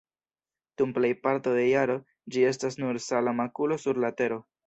Dum plejparto de jaro ĝi estas nur sala makulo sur la tero.